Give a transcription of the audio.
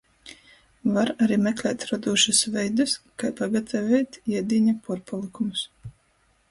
Var ari meklēt rodūšus veidus, kai pagataveit iedīņa puorpalykumus.